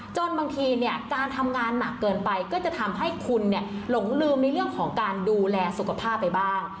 บางทีเนี่ยการทำงานหนักเกินไปก็จะทำให้คุณหลงลืมในเรื่องของการดูแลสุขภาพไปบ้าง